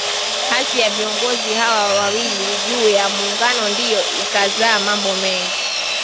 Hasi ya viongozi hawa wawili juu ya Muungano ndiyo ikazaa mambo mengi